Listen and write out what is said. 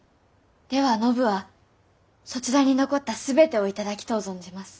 では信はそちらに残った全てを頂きとう存じます。